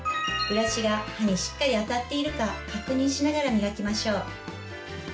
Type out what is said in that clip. ブラシが歯にしっかり当たっているか確認しながら磨きましょう。